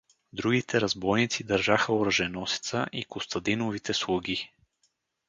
Другите разбойници държаха оръженосеца и Костадиновите слуги.